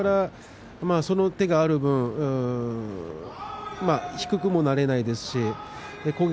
その手がある分低くもなれなかった。